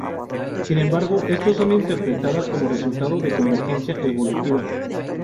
Sin embargo, estos son interpretadas como resultado de convergencia evolutiva.